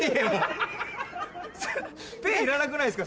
手いらなくないすか？